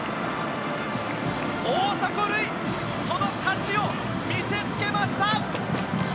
大迫塁、その価値を見せつけました！